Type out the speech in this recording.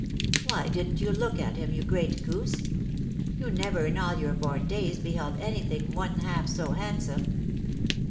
Why didn't you look at him, you great goose ? You never in all your born days beheld any thing one half so handsome."